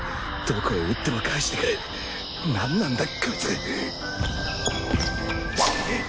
どこへ打っても返してくる何なんだこいつっ！